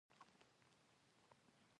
هلک د دوستانو وفادار دی.